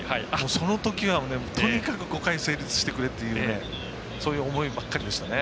そのときは、５回成立してくれとそういう思いばっかりでしたね。